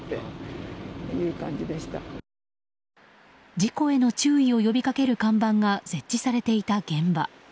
事故への注意を呼びかける看板が、設置されていた現場。